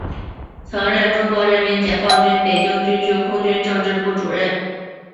曾任中国人民解放军北京军区空军政治部主任。